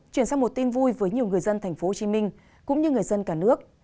chuyển sang một tin vui với nhiều người dân tp hcm cũng như người dân cả nước